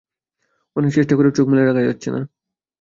অনেক চেষ্টা করেও চোখ মেলে রাখা যাচ্ছে না।